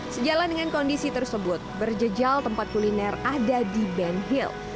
sejalan dengan kondisi tersebut berjejal tempat kuliner ada di ben hill